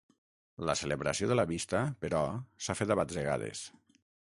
La celebració de la vista, però, s’ha fet a batzegades.